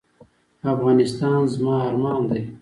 افغانستان زما ارمان دی